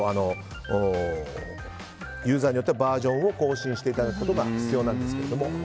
機種、ユーザーによってはバージョンを更新していただくことが必要なんですが。